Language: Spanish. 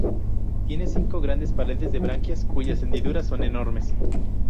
Tiene cinco grandes pares de branquias, cuyas hendiduras son enormes.